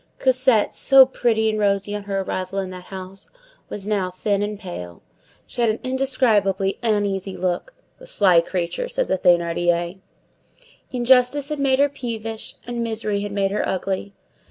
Cosette, so pretty and rosy on her arrival in that house, was now thin and pale. She had an indescribably uneasy look. "The sly creature," said the Thénardiers. Injustice had made her peevish, and misery had made her ugly.